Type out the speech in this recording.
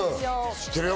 知ってるよ。